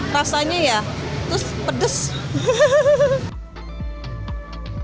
rasanya ya terus pedes